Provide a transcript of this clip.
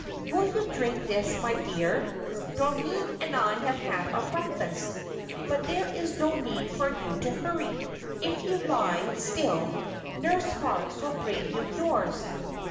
"Will you drink this, my dear? Doreen and I have had our breakfast, but there is no need for you to hurry. If you lie still Nurse Marks will bring you yours."